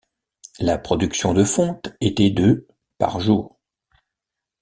La production de fonte était de par jour.